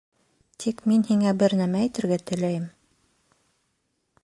Тик мин һиңә бер нәмә әйтергә теләйем.